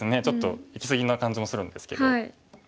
ちょっといき過ぎな感じもするんですけど。